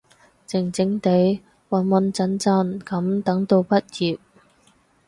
靜靜哋，穩穩陣陣噉等到畢業